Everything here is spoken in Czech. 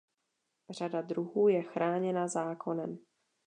Řada druhů je chráněna zákonem.